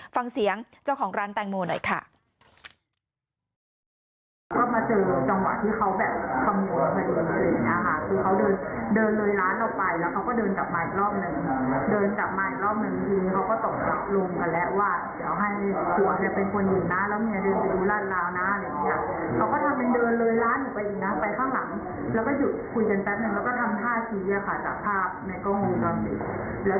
ฟังเสียงเจ้าของร้านแตงโมหน่อยค่ะ